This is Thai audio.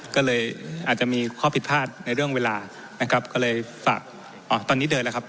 ก็เลยอาจจะมีข้อผิดพลาดในเรื่องเวลานะครับก็เลยฝากตอนนี้เดินแล้วครับ